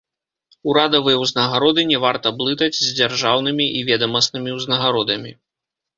Урадавыя ўзнагароды не варта блытаць з дзяржаўнымі і ведамаснымі ўзнагародамі.